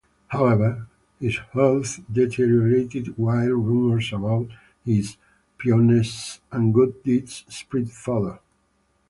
However, his health deteriorated while rumors about his piousness and good deeds spread further.